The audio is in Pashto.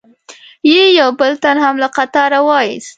یې یو بل تن هم له قطاره و ایست.